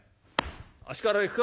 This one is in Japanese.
足からいくか？